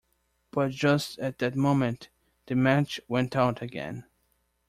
But just at that moment the match went out again.